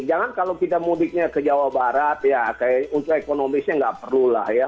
jangan kalau kita mudiknya ke jawa barat ya kayak untuk ekonomisnya nggak perlulah ya